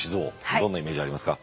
どんなイメージありますか。